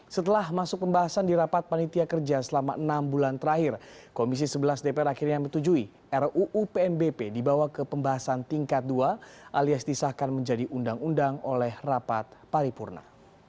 setelah masuk pembahasan di rapat panitia kerja selama enam bulan terakhir komisi sebelas dpr akhirnya metujui ruu pnbp dibawa ke pembahasan tingkat dua alias disahkan menjadi undang undang oleh rapat paripurna